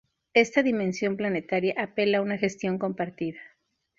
Esta dimensión planetaria apela a una gestión compartida.